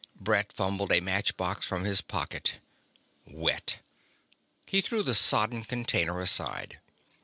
Brett fumbled a match box from his pocket. Wet. He threw the sodden container aside.